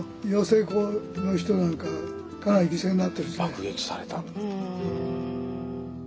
爆撃されたんだ。